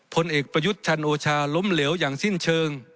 ผลเอกประยุทธ์จันโอชาล้มเหลวอย่างสิ้นเชิง